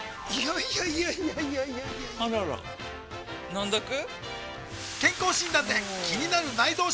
いやいやいやいやあらら飲んどく？